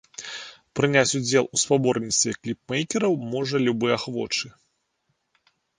Прыняць удзел у спаборніцтве кліпмэйкераў, можа любы ахвочы.